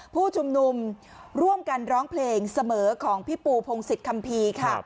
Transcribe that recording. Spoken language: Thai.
ผู้ชุมนุมร่วมกันร้องเพลงเสมอของพี่ปูพงศิษยคัมภีร์ค่ะ